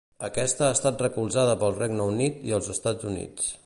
Aquesta ha estat recolzada pel Regne Unit i els Estats Units.